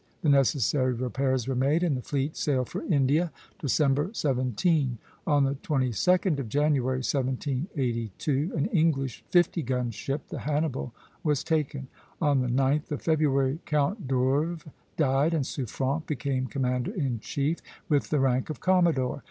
The necessary repairs were made, and the fleet sailed for India, December 17. On the 22d of January, 1782, an English fifty gun ship, the "Hannibal," was taken. On the 9th of February Count d'Orves died, and Suffren became commander in chief, with the rank of commodore.